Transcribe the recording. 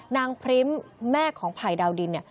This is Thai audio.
นางพริ้มแม่ของผ่ายดาวดิน